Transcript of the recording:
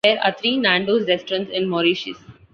There are three Nando's restaurants in Mauritius.